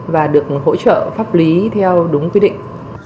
và được hỗ trợ pháp lý theo đúng quy định